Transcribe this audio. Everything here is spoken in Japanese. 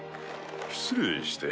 失礼して。